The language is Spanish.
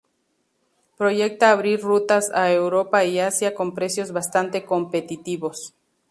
Proyecta abrir rutas a Europa y Asia con precios bastante competitivos.